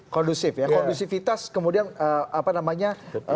kondusif ya kondusivitas kemudian apa namanya